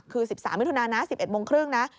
คือ๑๓มิถุนานะ๑๑โมงครึ่งนะ